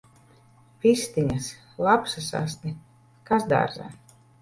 Vistiņas! Lapsas asti! Kas dārzā!